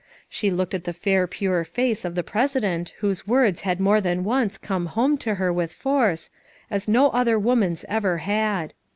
She looked at the fair pure face of the president whose words had more than once come home to her with force, as no other woman's ever had.